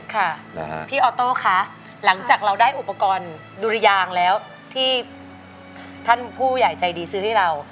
ค่ะพี่ออโต้คะหลังจากเราได้อุปกรณ์ดุรยางแล้วที่ท่านผู้ใหญ่ใจดีซื้อให้เรา